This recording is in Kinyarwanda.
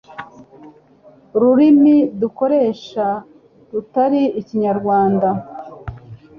ururimi dukoresha rutari ikinyarwanda.